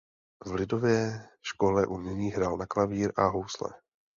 V lidové škole umění hrál na klavír a housle.